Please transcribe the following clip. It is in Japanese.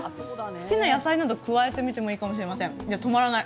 好きな野菜など加えてみてもいいかもしれません、止まらない。